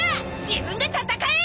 自分で戦え！